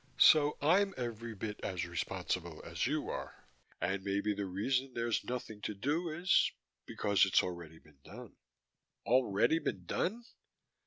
"So I'm every bit as responsible as you are. And maybe the reason there's nothing to do is is because it's already been done." "Already been done?"